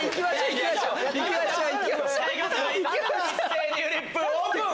一斉にフリップオープン！